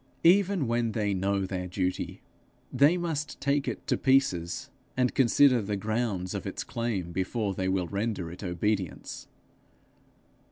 Even when they know their duty, they must take it to pieces, and consider the grounds of its claim before they will render it obedience.